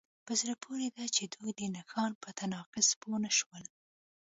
په زړه پورې ده چې دوی د نښان په تناقض پوه نشول